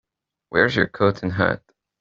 Where's your coat and hat?